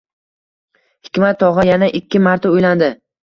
Hikmat tog`a yana ikki marta uylandi